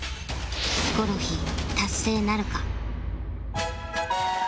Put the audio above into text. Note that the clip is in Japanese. ヒコロヒー達成なるか？